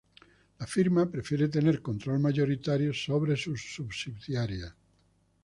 La firma prefiere tener control mayoritario sobre sus subsidiarias.